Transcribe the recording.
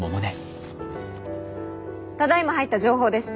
ただいま入った情報です。